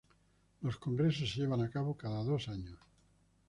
Los congresos se llevan a cabo cada dos años.